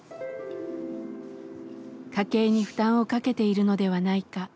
家計に負担をかけているのではないか。